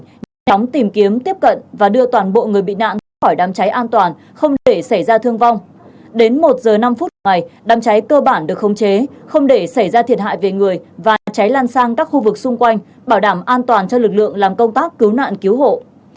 nhanh chóng tìm kiếm tiếp cận và đưa toàn bộ người bị nạn ra khỏi đám cháy an toàn không để xảy ra thương vong đến một h năm ngày đám cháy cơ bản được không chế không để xảy ra thiệt hại về người và cháy lan sang các khu vực xung quanh bảo đảm an toàn cho lực lượng làm công tác cứu nạn cứu hộ